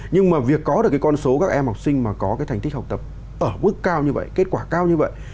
nhưng mà việc có được cái con số các em học sinh mà có cái thành tích học tập ở mức cao như vậy kết quả cao như vậy